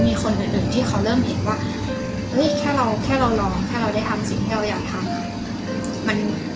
มีคนอื่นที่เขาเริ่มเห็นว่าแค่เราแค่เราลองแค่เราได้ทำสิ่งที่เราอยากทำ